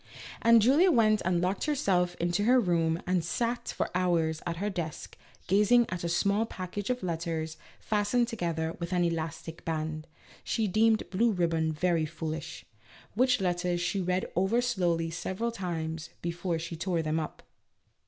And Julia went and locked herself into her room and sat for hours at her desk gazing at a small package of letters fastened together with an elastic band (she deemed blue ribbon very foolish), which letters she read over slowly several times before she tore them up.